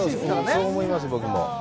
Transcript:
そう思います、僕も。